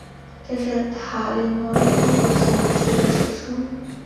这是埃莉诺唯一留存于世的手书。